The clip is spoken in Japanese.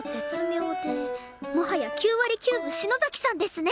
もはや９割９分篠崎さんですね！